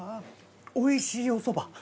おいしいおそば。